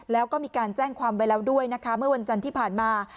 แล้วก็มีการแจ้งความไว้แล้วด้วยนะคะเมื่อวันจันทร์ที่ผ่านมา